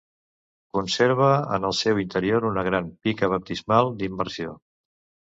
Conserva en el seu interior una gran pica baptismal d'immersió.